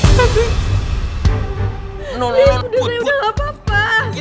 please udah saya gak apa apa